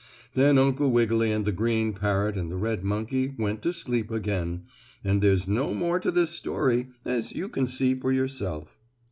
Then Uncle Wiggily and the green parrot and the red monkey went to sleep again, and there's no more to this story, as you can see for yourself.